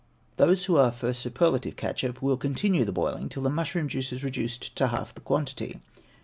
Those who are for superlative ketchup, will continue the boiling till the mushroom juice is reduced to half the quantity.